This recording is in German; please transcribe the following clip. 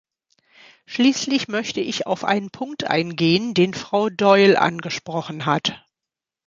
Schließlich möchte ich auf einen Punkt eingehen, den Frau Doyle angesprochen hat.